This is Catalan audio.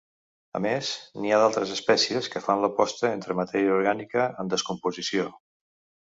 A més, n'hi ha d'altres espècies que fan la posta entre matèria orgànica en descomposició.